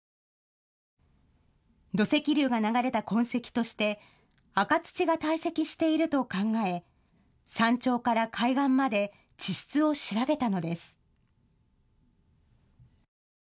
土石流が流れた痕跡として赤土が堆積していると考え、山頂から海岸まで地質を調べたのです。